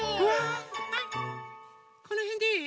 このへんでいい？